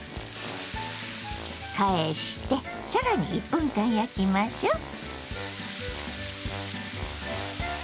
返して更に１分間焼きましょう。